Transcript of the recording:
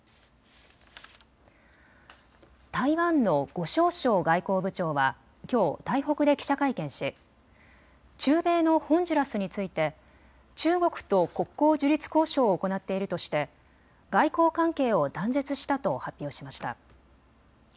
台湾の呉しょう燮外交部長はきょう、台北で記者会見し中米のホンジュラスについて中国と国交樹立交渉を行っているとして外交関係を断絶したと発表しました。